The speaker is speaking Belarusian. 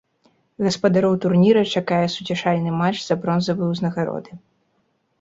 Гаспадароў турніра чакае суцяшальны матч за бронзавыя ўзнагароды.